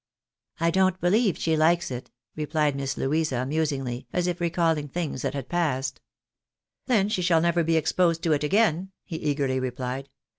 "" I don't believe she likes it," replied Miss Louisa, musingly, and as if recalling things that had passed. " Then she shall never be exposed to it again," he eagerly rephed.